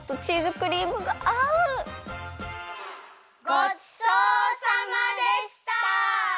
ごちそうさまでした！